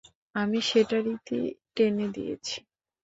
আমি সেটার ইতি টেনে দিয়েছি।